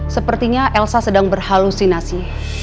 sepertinya elsa sedang berhalusinasi